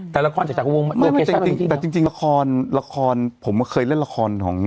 แต่ละครจะจากวงไม่ไม่แต่จริงจริงละครละครผมเคยเล่นละครของ